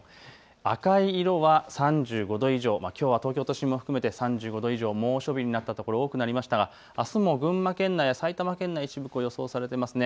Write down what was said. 赤い色は３５度以上、きょうは東京都心も含めて３５度以上猛暑日になった所多くなりましたがあすも群馬県内や埼玉県の一部予想されていますね。